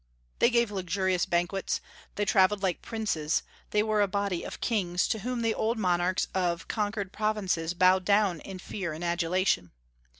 They gave luxurious banquets; they travelled like princes; they were a body of kings, to whom the old monarchs of conquered provinces bowed down in fear and adulation.